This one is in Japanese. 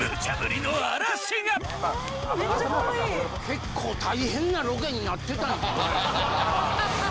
・結構大変なロケになってたんやね。